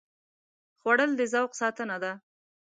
خوړل د ذوق ساتنه ده